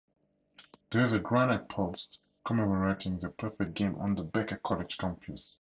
There is a granite post commemorating the perfect game on the Becker College campus.